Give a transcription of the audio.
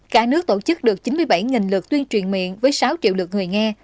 cả nước tổ chức được chín mươi bảy lượt tuyên truyền miệng với sáu triệu lượt người nghe